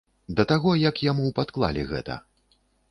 Да таго, як яму падклалі гэта.